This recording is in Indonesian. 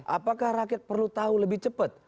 apakah rakyat perlu tahu lebih cepat